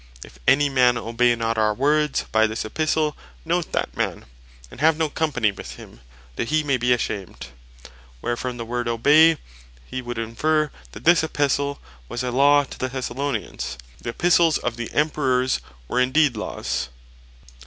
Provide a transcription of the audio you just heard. "If any man Obey not our word by this Epistle, note that man, and have no company with him, that he may bee ashamed": where from the word Obey, he would inferre, that this Epistle was a Law to the Thessalonians. The Epistles of the Emperours were indeed Laws.